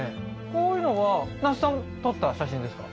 こういうのは那須さん撮った写真ですか？